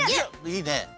いいね。